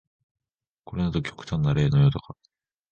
これなど極端な例のようだが、